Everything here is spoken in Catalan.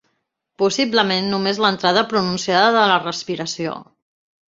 Possiblement només l'entrada pronunciada de la respiració.